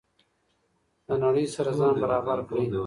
له نړۍ سره ځان برابر کړئ.